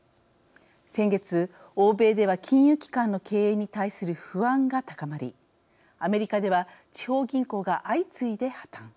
先月欧米では金融機関の経営に対する不安が高まりアメリカでは地方銀行が相次いで破綻。